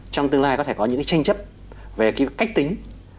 trong tương lai có thể có những tranh chấp về cách tính ba mươi